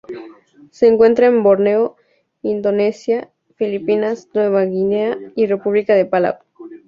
Se encuentra en Borneo, Indonesia, Filipinas, Nueva Guinea y República de Palau.